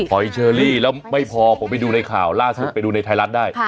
อยเชอรี่แล้วไม่พอผมไปดูในข่าวล่าสุดไปดูในไทยรัฐได้